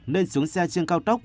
nên xuống xe trên cao tốc